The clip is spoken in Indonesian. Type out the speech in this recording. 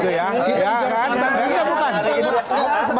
bukan ya nanti nanti dulu